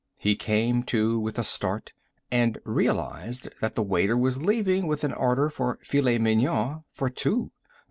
He came to with a start and realized that the waiter was leaving with an order for filets mignon for two.